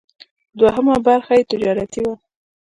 دوهمه برخه یې تجارتي وه.